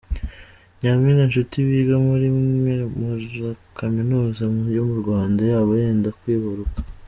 Nyaminga Nshuti Wiga Murimwe murikaminuza Yomurwanda yaba yenda kwibaruka